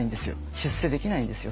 出世できないんですよ